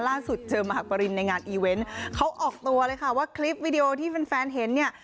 ล่าสุดเจอมหาปรินในงานอีเวนต์เขาออกตัวเลยค่ะว่าคลิปวิดีโอที่แฟนแฟนเห็นเนี่ย